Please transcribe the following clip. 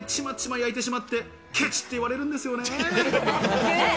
私、一枚一枚ちまちま焼いてしまって、ケチって言われるんですよね。